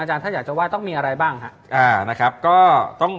อาจารย์ถ้าอยากจะว่าว่าต้องมีอะไรบ้าง